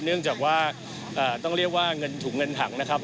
เนื่องจากว่าต้องเรียกว่าเงินถุงเงินถังนะครับ